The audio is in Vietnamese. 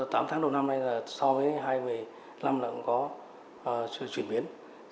tám tháng đầu năm nay là so với hai nghìn một mươi năm là cũng có chuyển biến